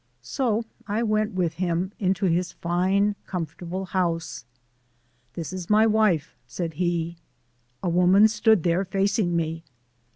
So I went with him into his fine, comfortable house. "This is my wife," said he. A woman stood there facing me.